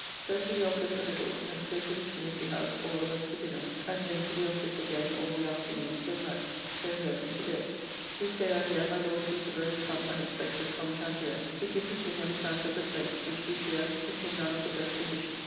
So to the office a little, and so to the Trinity house all of us to dinner; and then to the office again all the afternoon till night. So home and to bed. This day, I hear, my Lord Peterborough is come unexpected from Tangier, to give the King an account of the place, which, we fear, is in none of the best condition.